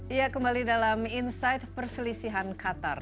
iya kembali dalam insight perselisihan qatar